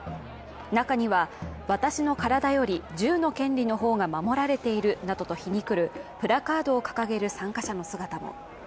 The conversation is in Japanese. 中には、私の体より銃の権利の方が守られているなどと皮肉るプラカードを掲げる参加者の姿も。